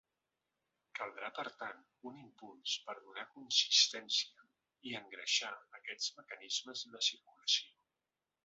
Caldrà, per tant, un impuls per donar consistència i engreixar aquests mecanismes de circulació.